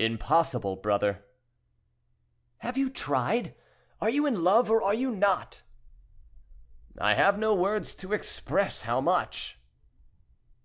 "Impossible! brother." "Have you tried? Are you in love, or are you not?" "I have no words to express how much!"